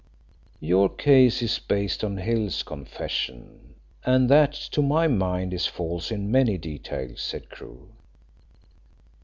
"Your case is based on Hill's confession, and that to my mind is false in many details," said Crewe.